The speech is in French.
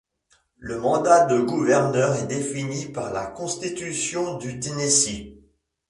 Le mandat de gouverneur est défini par la Constitution du Tennessee.